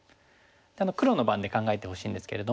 黒の番で考えてほしいんですけれども。